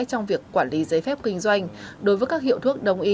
trong việc quản lý giấy phép kinh doanh đối với các hiệu thuốc đông y